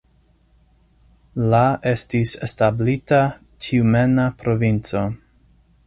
La estis establita Tjumena provinco.